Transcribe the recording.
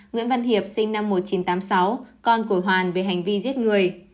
nguyễn văn hiệp sinh năm một nghìn chín trăm tám mươi sáu con của hoàn về hành vi giết người